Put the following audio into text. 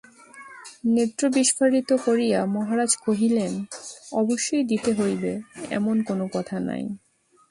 নেত্র বিস্ফারিত করিয়া মহারাজ কহিলেন, অবশ্যই দিতে হইবে, এমন কোনো কথা নাই।